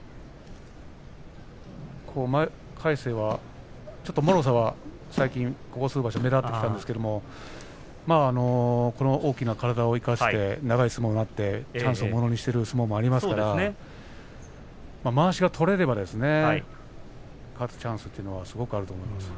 魁聖がちょっともろさが最近ここ数場所、目立ってきたんですけどこの大きな体を生かして長い相撲を取ってチャンスをものにしている相撲もありますからまわしが取れれば勝つチャンスがすごくあると思います。